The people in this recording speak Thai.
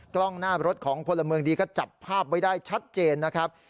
กล้องหน้ารถของพลเมืองดีก็จับภาพไว้ได้ชัดเจนนะครับ